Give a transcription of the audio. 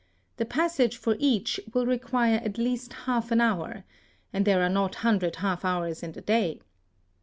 The passage for each will require at least half an hour, and there are not a hundred half hours in the day.